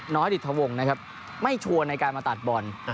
น้อยฤทธวงศ์นะครับไม่ชัวร์ในการมาตัดบอล